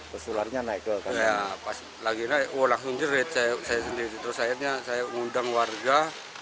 pesularnya naik lagi nangis saya sendiri terus akhirnya saya mengundang warga